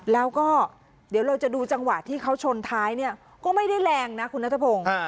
แล้วก็เดี๋ยวเราจะดูจังหวะที่เขาชนท้ายเนี่ยก็ไม่ได้แรงนะคุณนัทพงศ์